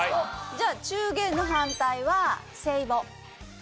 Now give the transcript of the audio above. じゃあ中元の反対は歳暮。